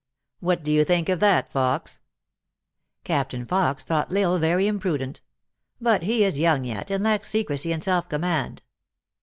" What do you think of that, Fox ?" Captain Fox thought L Isle very imprudent. " But he is young yet, and lacks secrecy and self command."